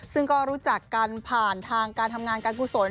ซึ่งก็รู้จักกันผ่านทางการทำงานการกุศล